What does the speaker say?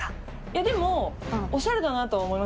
でも、おしゃれだなとは思います。